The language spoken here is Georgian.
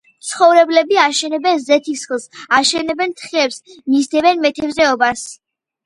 მცხოვრებლები აშენებენ ზეთისხილს, აშენებენ თხებს, მისდევენ მეთევზეობას.